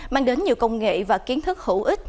mang đến nhiều công nghệ và kiến thức hữu ích